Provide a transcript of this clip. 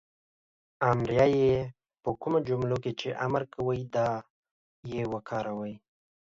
امریه "ئ" په کومو جملو کې چې امر کوی دا "ئ" وکاروئ